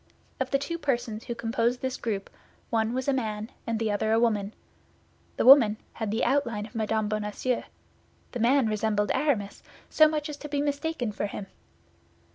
Of the two persons who composed this group, one was a man and the other a woman. The woman had the outline of Mme. Bonacieux; the man resembled Aramis so much as to be mistaken for him.